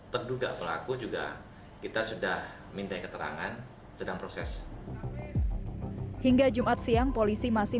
terduga pelaku juga kita sudah minta keterangan sedang proses hingga jumat siang polisi masih